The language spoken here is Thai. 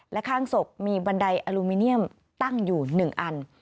และข้างศพมีบันไดอลูมิเนียมตั้งอยู่๑อัน